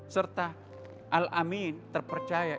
serta al amin terpercaya